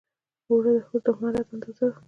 اوړه د ښځو د مهارت اندازه ده